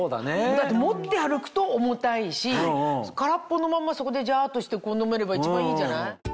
だって持って歩くと重たいし空っぽのまんまそこでジャっとして飲めれば一番いいんじゃない？